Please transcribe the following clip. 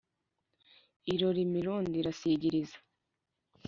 Irora imirundi irasigiriza